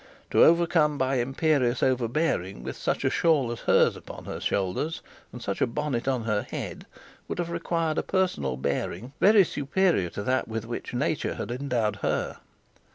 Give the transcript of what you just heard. To overcome by imperious overbearing with such a shawl as hers upon her shoulders, and such a bonnet on her head, would have required a personal bearing very superior to that which nature had endowed her.